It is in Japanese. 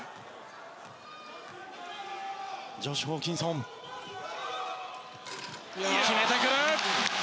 ジョシュ・ホーキンソン決めてくる！